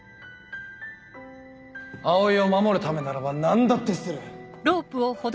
葵を守るためならば何だってする。